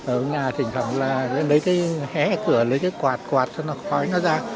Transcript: ở nhà thỉnh phẩm là lấy cái hé cửa lấy cái quạt quạt cho nó khói nó ra